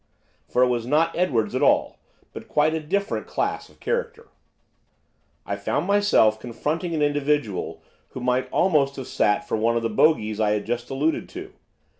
For it was not Edwards at all, but quite a different class of character. I found myself confronting an individual who might almost have sat for one of the bogies I had just alluded to.